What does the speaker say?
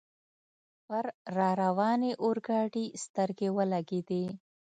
پر را روانې اورګاډي سترګې ولګېدې.